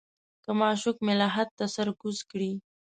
که معشوق مې لحد ته سر کوز کړي.